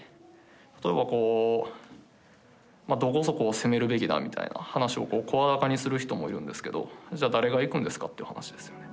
例えばこうどこそこを攻めるべきだみたいな話を声高にする人もいるんですけど「じゃあ誰が行くんですか」という話ですよね。